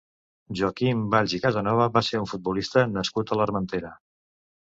Joaquim Valls i Casanova va ser un futbolista nascut a l'Armentera.